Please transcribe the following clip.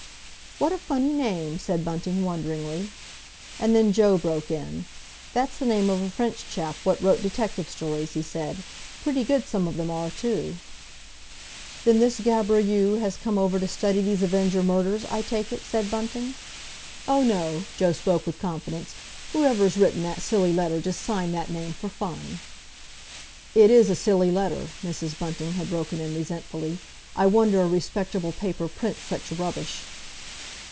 "What a funny name!" said Bunting wonderingly. And then Joe broke in: "That's the name of a French chap what wrote detective stories," he said. "Pretty good, some of them are, too!" "Then this Gaboriyou has come over to study these Avenger murders, I take it?" said Bunting. "Oh, no," Joe spoke with confidence. "Whoever's written that silly letter just signed that name for fun." "It is a silly letter," Mrs. Bunting had broken in resentfully. "I wonder a respectable paper prints such rubbish."